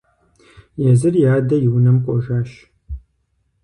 Езыр и адэ и унэм кӀуэжащ.